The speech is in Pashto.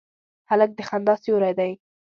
هلک د خندا سیوری دی.